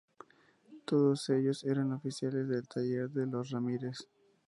Todos ellos eran oficiales del taller de los Ramírez.